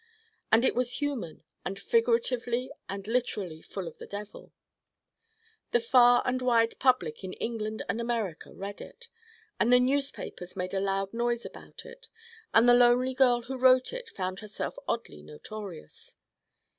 And it was human and figuratively and literally full of the devil. The far and wide public in England and America read it, and the newspapers made a loud noise about it and the lonely girl who wrote it found herself oddly notorious.